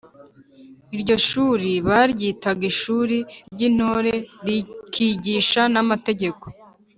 iryo shuli baryitaga ishuri ry'intore rikigisha n’amateka